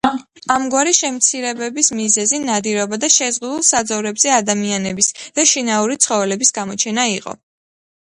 ამგვარი შემცირების მიზეზი ნადირობა და შეზღუდულ საძოვრებზე ადამიანების და შინაური ცხოველების გამოჩენა იყო.